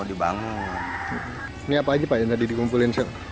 ini apa aja pak yang tadi dikumpulin chef